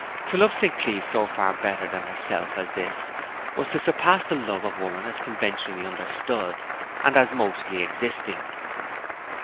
To love St. Cleeve so far better than herself as this was to surpass the love of women as conventionally understood, and as mostly existing.